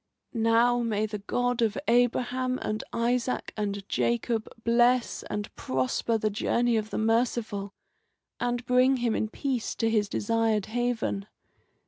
"Now may the God of Abraham and Isaac and Jacob bless and prosper the journey of the merciful, and bring him in peace to his desired haven.